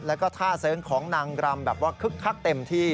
แล้วก็ท่าเสริงของนางรำแบบว่าคึกคักเต็มที่